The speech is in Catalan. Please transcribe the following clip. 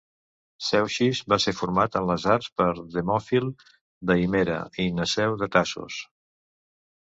Zeuxis va ser format en les arts per Demòfil de Himera i Neseu de Tasos.